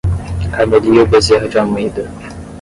Carmelio Bezerra de Almeida